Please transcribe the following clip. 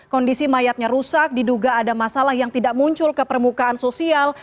kondisi mayatnya rusak diduga ada masalah yang tidak muncul ke permukaan sosial